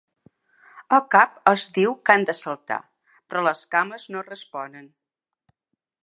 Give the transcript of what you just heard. El cap els diu que han de saltar, però les cames no responen.